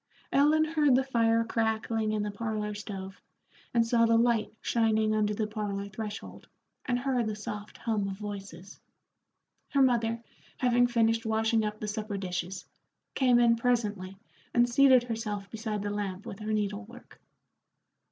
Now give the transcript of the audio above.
Ellen heard the fire crackling in the parlor stove, and saw the light shining under the parlor threshold, and heard the soft hum of voices. Her mother, having finished washing up the supper dishes, came in presently and seated herself beside the lamp with her needle work.